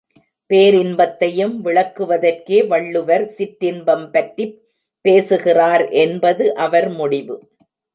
பேரின்பத்தையும் விளக்குவதற்கே வள்ளுவர் சிற்றின்பம் பற்றிப் பேசுகிறார் என்பது அவர் முடிவு.